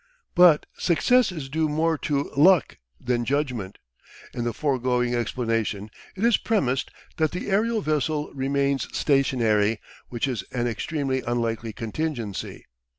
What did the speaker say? But success is due more to luck than judgment. In the foregoing explanation it is premised that the aerial vessel remains stationary, which is an extremely unlikely contingency.